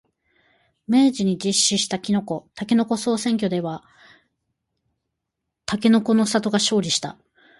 明治が実施したきのこ、たけのこ総選挙ではたけのこの里が勝利した。